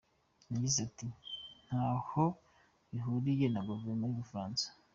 Yagize ati “Ntaho bihuriye na Guverinoma y’u Bufaransa.